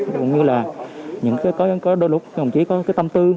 cũng như là những cái đôi lúc các đồng chí có cái tâm tư